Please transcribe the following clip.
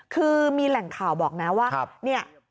คือมีแหล่งข่าวบอกนะว่า